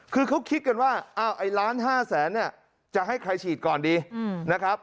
คือเขาคิดกันว่าไอ้ล้าน๕แสนเนี่ยจะให้ใครฉีดก่อนดีนะครับ